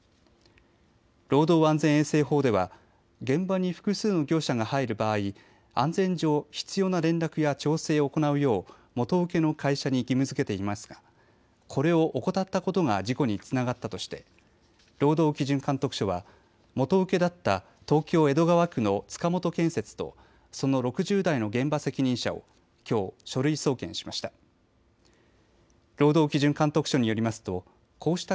労働安全衛生法では現場に複数の業者が入る場合、安全上必要な連絡や調整を行うよう元請けの会社に義務づけていますがこれを怠ったことが事故につながったとして労働基準監督署は元請けだった東京江戸川区の塚本建設とその６０代の現場責任者をきょう書類送検しました。